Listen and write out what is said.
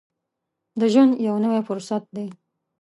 د ژوند یو نوی فرصت دی.